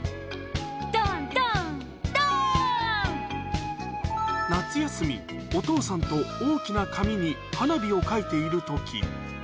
どんどん、夏休み、お父さんと大きな紙に花火を描いているとき。